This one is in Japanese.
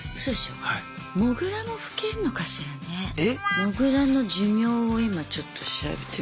モグラの寿命を今ちょっと調べてみる。